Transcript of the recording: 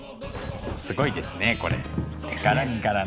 すごいですねこれ柄柄の。